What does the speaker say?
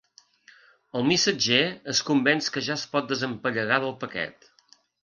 El missatger es convenç que ja es pot desempallegar del paquet.